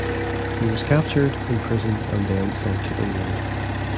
He was captured, imprisoned and then sent to England.